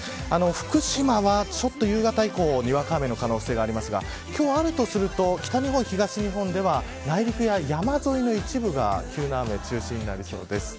福島は、ちょっと夕方以降にわか雨の可能性がありますが今日あるとすると北日本、東日本では内陸や山沿いの一部が急な雨中心になりそうです。